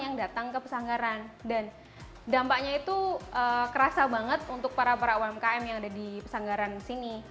yang datang ke pesanggaran dan dampaknya itu kerasa banget untuk para para umkm yang ada di pesanggaran sini